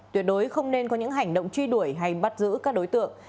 tuyệt đối không nên có những hành động truy đuổi hay bắt giữ các đối tượng